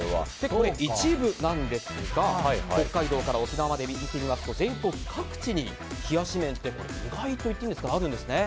これは一部なんですが北海道から沖縄まで見てみますと全国各地に冷やし麺って意外とあるんですね。